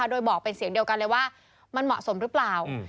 โดยบอกเป็นเสียงเดียวกันเลยว่ามันเหมาะสมหรือเปล่า